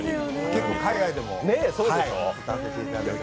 結構海外でも歌わせていただいています。